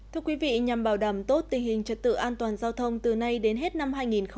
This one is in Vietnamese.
thưa quý vị nhằm bảo đảm tốt tình hình trật tự an toàn giao thông từ nay đến hết năm hai nghìn hai mươi